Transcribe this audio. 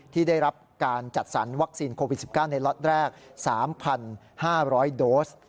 ที่ได้รับการจัดสรรวัคซีนโควิด๑๙ในล็อตแรก๓๕๐๐โดส